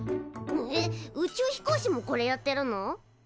えっ宇宙飛行士もこれやってるの？